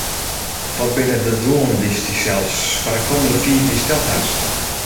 Wat binne de doelen dy’tst dysels foar de kommende fiif jier steld hast?